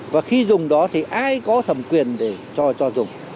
và khi dùng đó thì ai có thẩm quyền để cho cho dùng